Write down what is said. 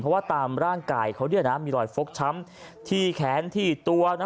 เพราะว่าตามร่างกายเขาเนี่ยนะมีรอยฟกช้ำที่แขนที่ตัวนะ